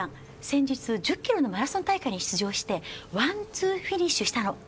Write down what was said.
先日１０キロのマラソン大会に出場してワンツーフィニッシュしたの。